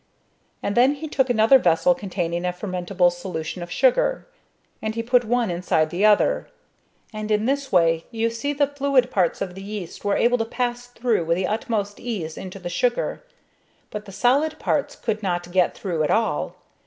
And then he took another vessel containing a fermentable solution of sugar, and he put one inside the other; and in this way you see the fluid parts of the yeast were able to pass through with the utmost ease into the sugar, but the solid parts could not get through at all.